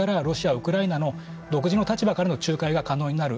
ですから、ロシアはウクライナの独自の立場からの仲介が可能になる。